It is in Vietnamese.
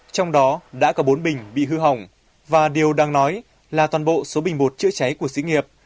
trong đó đã có bốn bình bị hư hỏng và điều đang nói là toàn bộ số bình bột chữa cháy của sĩ nghiệp